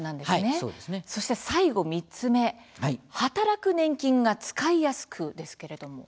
そして最後３つ目“働く年金”が使いやすくですけれども。